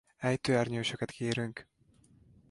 Ejtőernyősöket kérünk!